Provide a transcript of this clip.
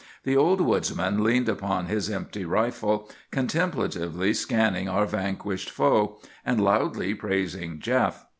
The old woodsman leaned upon his empty rifle, contemplatively scanning our vanquished foe, and loudly praising Jeff.